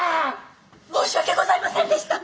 申し訳ございませんでした！